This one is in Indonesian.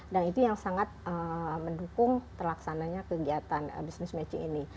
dan itu yang sangat mendukung terlaksananya kegiatan business matching ini